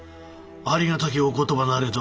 ありがたきお言葉なれど